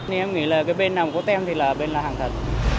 nên em nghĩ là cái bên nào có tem thì là bên là hàng thật